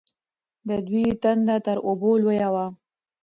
د دوی تنده تر اوبو لویه وه.